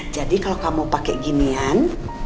jadi kalau kamu pakai ginian